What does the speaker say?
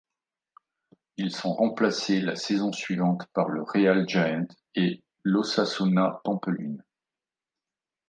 Ils sont remplacés la saison suivante par le Real Jaén et l'Osasuna Pampelune.